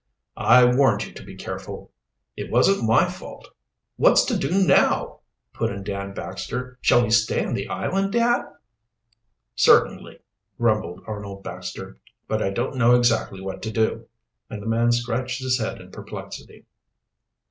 "I warned you to be careful." "It wasn't my fault." "What's to do now?" put in Dan Baxter. "Shall we stay on the island, dad?" "Certainly," grumbled Arnold Baxter. "But I don't know exactly what to do," and the man scratched his head in perplexity.